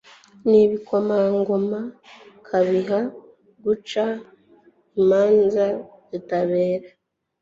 n'ibikomangoma nkabiha guca imanza zitabera